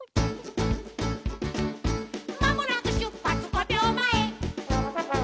「まもなく出発５秒前」